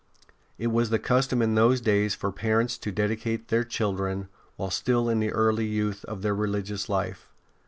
It was the custom in those days for parents to dedicate their children while still in early youth to the religious life.